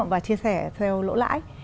và chia sẻ theo lỗ lãi